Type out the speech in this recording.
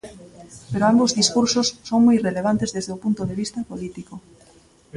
Pero ambos discursos son moi relevantes desde o punto de vista político.